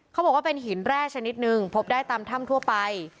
เขาบอกว่าเป็นหินแร่ชนิดนึงพบได้ตามถ้ำทั่วไป